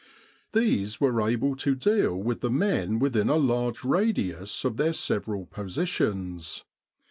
These were able to deal with the men within a large radius of their several positions.